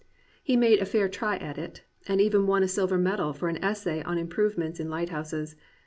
He made a fair try at it, and even won a silver medal for an essay on improvements in lighthouses.